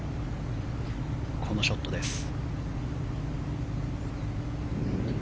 このショットです。